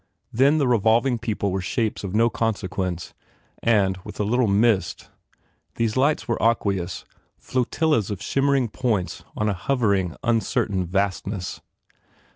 Then the revolving people were shapes of no consequence and, with a little mist, these lights were aqueous, flotillas of shimmering points on a hovering, uncertain vastness.